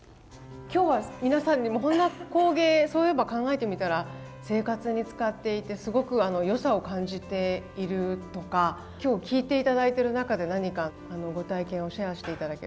今日は皆さんにもこんな工芸そういえば考えてみたら生活に使っていてすごく良さを感じているとか今日聞いて頂いてる中で何かご体験をシェアして頂ける方。